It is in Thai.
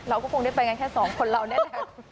เราก็คงได้ไปกันแค่สองคนเราเนี่ยนะคะ